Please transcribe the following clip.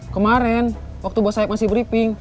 kemaren waktu bos saya masih briefing